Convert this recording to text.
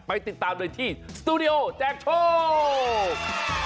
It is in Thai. ไปติดตามเลยที่สตูดิโอแจกโชค